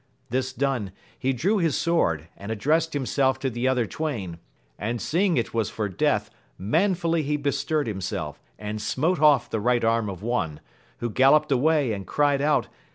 This done, he drew his sword, and addressed himself to the other twain, and seeing it was for death manfully he be stirred himself, and smote off the right arm of one, who galloped away, and cried out.